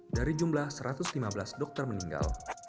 dari jumlah satu ratus lima belas dokter meninggal